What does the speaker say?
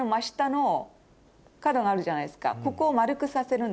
角があるじゃないですか。